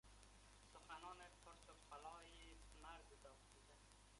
سخنان پرت و پلای مرد داغدیده